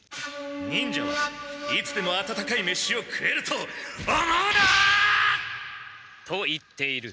忍者はいつでも温かい飯を食えると思うな！と言っている。